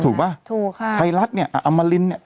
ถูกค่ะไพรัสเนี่ยอัมรินเนี่ย